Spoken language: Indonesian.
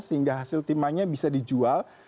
sehingga hasil timahnya bisa dijual